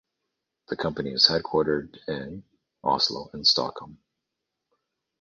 The company is headquartered in Oslo and Stockholm.